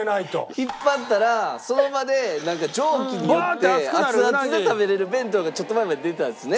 引っ張ったらその場で蒸気によって熱々で食べれる弁当がちょっと前まで出てたんですよね。